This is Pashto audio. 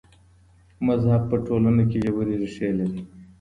مذهب په ټولنه کي ژورې ريښې لري.